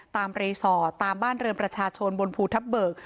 รีสอร์ทตามบ้านเรือนประชาชนบนภูทับเบิก